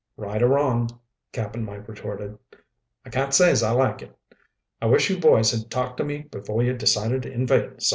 "Right or wrong," Cap'n Mike retorted, "I can't say's I like it. I wish you boys had talked to me before you decided to invade Salt Creek!"